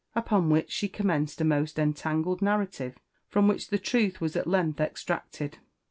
Upon which she commenced a most entangled narrative, from which the truth was at length extracted.